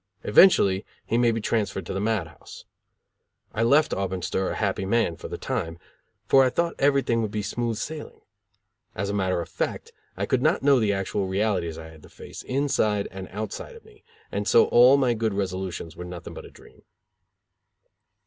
Eventually, he may be transferred to the mad house. I left Auburn stir a happy man, for the time, for I thought everything would be smooth sailing. As a matter of fact I could not know the actual realities I had to face, inside and outside of me, and so all my good resolutions were nothing but a dream.